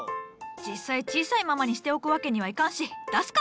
実際小さいままにしておくわけにはいかんし出すか。